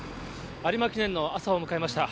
有馬記念の朝を迎えました。